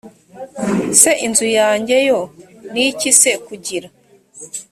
se inzu yanjye yo ni iki s kugira